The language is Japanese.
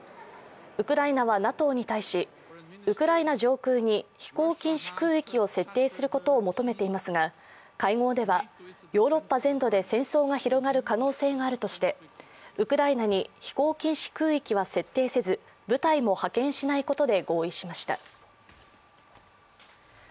ウクライナはＮＡＴＯに対しウクライナ上空に飛行禁止空域を設定することを求めていますが、会合ではヨーロッパ全土で戦争が広がる可能性があるとしてウクライナに飛行禁止空域は設定せず、部隊も派遣しないことで合意しました。